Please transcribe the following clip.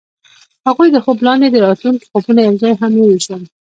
هغوی د خوب لاندې د راتلونکي خوبونه یوځای هم وویشل.